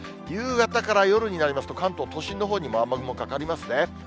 夕方から夜になりますと、関東都心のほうにも雨雲かかりますね。